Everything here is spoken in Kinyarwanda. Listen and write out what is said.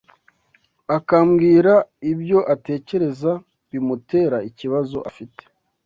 akambwira ibyo atekereza bimutera ikibazo afite